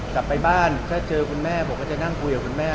กลับไปบ้านถ้าเจอคุณแม่ผมก็จะนั่งคุยกับคุณแม่